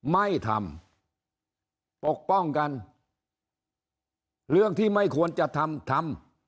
ไม่ทำปกป้องกันเรื่องที่ไม่ควรจะทำทำ